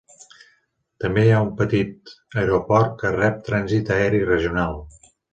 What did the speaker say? També hi ha un petit aeroport que rep trànsit aeri regional.